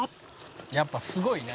「やっぱすごいな」